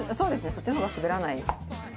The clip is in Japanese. そっちの方が滑らない。